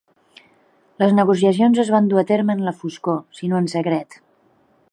Les negociacions es van dur a terme en la foscor, si no en secret.